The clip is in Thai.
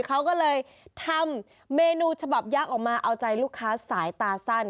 เขาก็เลยทำเมนูฉบับยักษ์ออกมาเอาใจลูกค้าสายตาสั้น